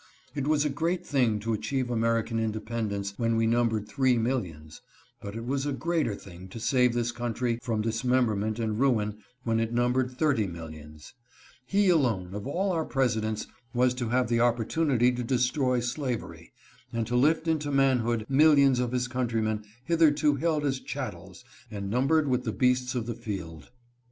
It was a great thing to achieve Ameri can independence when we numbered three millions, but it was a greater thing to save this country from dismem berment and ruin when it numbered thirty millions. He alone of all our Presidents was to have the opportunity to destroy slavery, and to lift into manhood millions of his countrymen hitherto held as chattels and numbered with the beasts of the field.